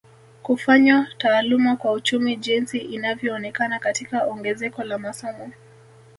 Kufanywa taaluma kwa uchumi jinsi inavyoonekana katika ongezeko la masomo